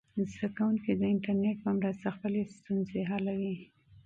زده کوونکي د انټرنیټ په مرسته خپلې ستونزې حلوي.